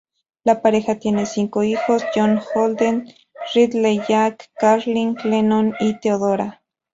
La pareja tiene cinco hijos: John Holden, Ridley Jack, Carling, Lennon y Teodora.